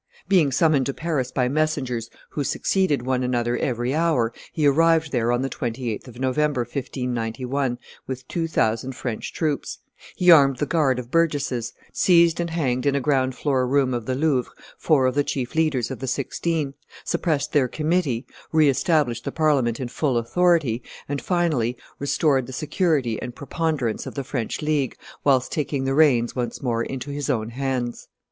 Being summoned to Paris by messengers who succeeded one another every hour, he arrived there on the 28th of November, 1591, with two thousand French troops; he armed the guard of Burgesses, seized and hanged, in a ground floor room of the Louvre, four of the chief leaders of the Sixteen, suppressed their committee, re established the Parliament in full authority, and, finally, restored the security and preponderance of the French League, whilst taking the reins once more into his own hands.